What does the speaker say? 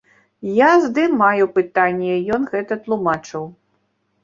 Я здымаю пытанне, ён гэта тлумачыў.